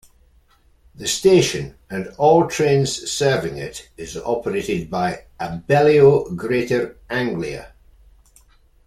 The station, and all trains serving it, is operated by Abellio Greater Anglia.